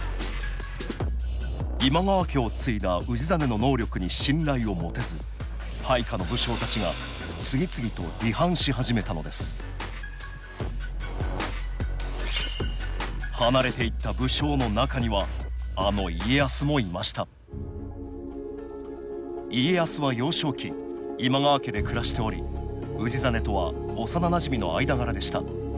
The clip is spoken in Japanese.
今川家を継いだ氏真の能力に信頼を持てず配下の武将たちが次々と離反し始めたのです離れていった武将の中にはあの家康もいました家康は幼少期今川家で暮らしており氏真とは幼なじみの間柄でした。